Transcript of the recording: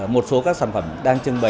một số các sản phẩm đang trưng bày